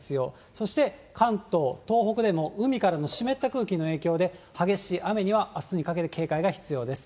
そして、関東、東北でも海からの湿った空気の影響で、激しい雨にはあすにかけて警戒が必要です。